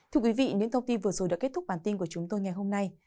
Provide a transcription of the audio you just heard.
thưa quý vị những thông tin vừa rồi đã kết thúc bản tin của chúng tôi ngày hôm nay